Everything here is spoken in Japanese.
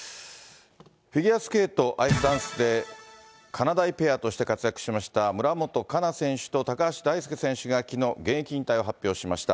フィギュアスケートアイスダンスで、かなだいペアとして活躍しました村元哉中選手と高橋大輔選手がきのう、現役引退を発表しました。